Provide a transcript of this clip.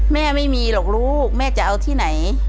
แม่ไม่มีหรอกลูกแม่จะเอาที่ไหน